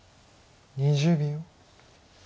２０秒。